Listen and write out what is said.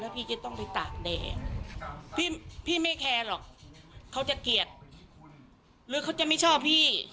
พี่ไม่แคร์หรอกเขาจะเกลียดหรือเขาจะไม่ชอบพี่